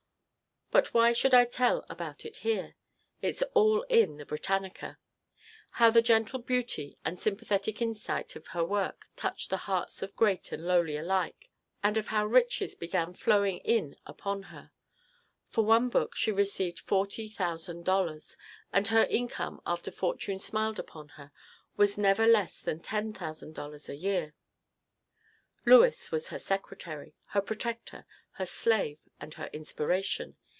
But why should I tell about it here? It's all in the "Britannica" how the gentle beauty and sympathetic insight of her work touched the hearts of great and lowly alike, and of how riches began flowing in upon her. For one book she received forty thousand dollars, and her income after fortune smiled upon her was never less than ten thousand dollars a year. Lewes was her secretary, her protector, her slave and her inspiration.